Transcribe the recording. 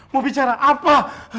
mau bicara apa